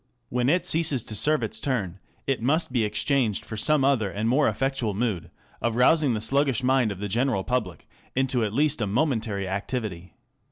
When it ceases to serve its turn, it must be exchanged for some other and more effective mood of rousing the sluggish mind of the general public into at least a momentary activity.